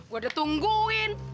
gue udah tungguin